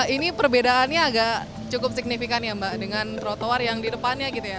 ini perbedaannya agak cukup signifikan ya mbak dengan trotoar yang di depannya gitu ya